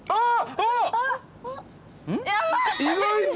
意外と。